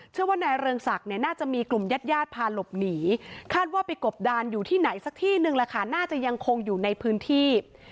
เชื่อว่านายเรืองศักดิ์เนี่ยน่าจะมีกลุ่มญาติญาติพาหลบหนีคาดว่าไปกบดานอยู่ที่ไหนสักที่นึงแหละค่ะน่าจะยังคงอยู่ในพื้นที่